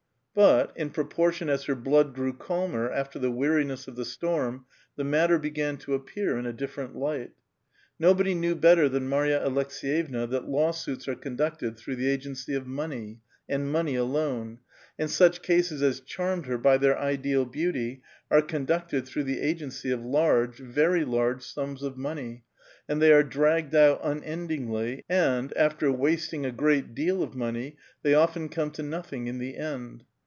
But, in proportion as her blood grew cahnor, iiftor the weariness of the storm, the matter began to a[)i)ear in a ditlerent light. Nobody knew better than Mary a Aloks^yevna tliat lawsuits are conducted through the agency of money, and money alone ; and such cases as chaimed her by their ideal beauty are conducted through the agency of hirjife, very large, sums of money, and they are dragged out unendinu:ly, and, after wasting a great deal of money, they often conic to nothing in tlie end.